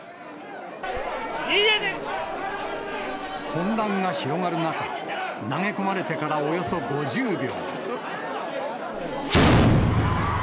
混乱が広がる中、投げ込まれてからおよそ５０秒。